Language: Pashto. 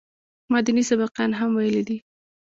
ما ديني سبقان هم ويلي دي.